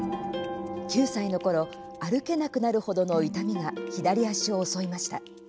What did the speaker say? ９歳のころ歩けなくなる程の痛みが左足を襲いました。